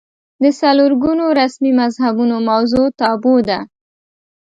د څلور ګونو رسمي مذهبونو موضوع تابو ده